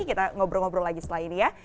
kita ngobrol ngobrol lagi setelah ini ya